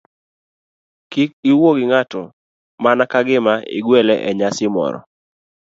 Kik iwuo gi ng'ato mana ka gima igwele e nyasi moro.